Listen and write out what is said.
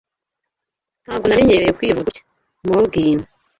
Ntabwo namenyereye kwivuza gutya. (morgyn)